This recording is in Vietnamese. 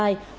mỗi cặp đôi